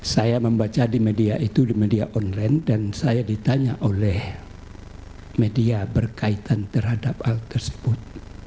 saya membaca di media itu di media online dan saya ditanya oleh media berkaitan terhadap hal tersebut